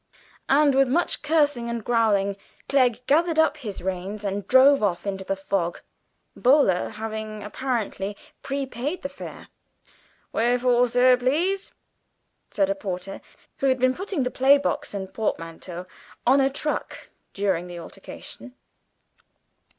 And with much cursing and growling, Clegg gathered up his reins and drove off into the fog, Boaler having apparently pre paid the fare. "Where for, sir, please?" said a porter, who had been putting the playbox and portmanteau on a truck during the altercation.